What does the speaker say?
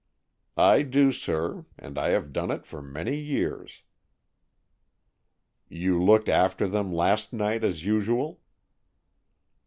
"I do, sir, and I have done it for many years." "You looked after them last night, as usual?"